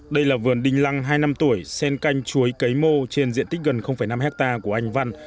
đây là vườn đinh lăng hai năm tuổi sen canh chuối cấy mô trên diện tích gần năm hectare của anh văn